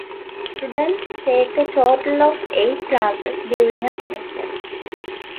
Students take a total of eight classes during a semester.